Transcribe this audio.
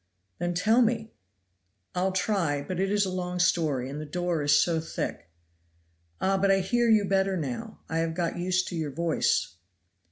"Then tell me." "I'll try; but it is a long story, and the door is so thick." "Ah! but I hear you better now. I have got used to your voice.